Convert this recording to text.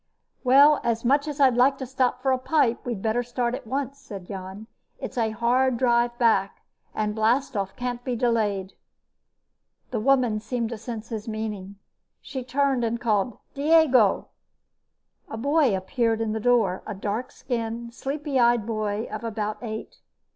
"Well, as much as I'd like to stop for a pipe, we'd better start at once," said Jan. "It's a hard drive back, and blastoff can't be delayed." The woman seemed to sense his meaning. She turned and called: "Diego!" A boy appeared in the door, a dark skinned, sleepy eyed boy of about eight.